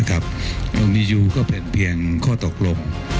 ตรงนี้ยูก็เป็นเพียงข้อตกลง